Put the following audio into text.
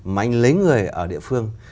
mà anh lấy người ở địa phương